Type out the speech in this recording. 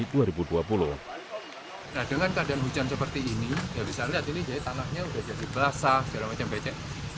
nah dengan keadaan hujan seperti ini ya bisa lihat ini jadi tanahnya sudah jadi basah segala macam becek